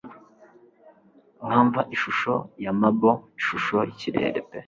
Nka mva ishusho ya marble ishusho yikirere pe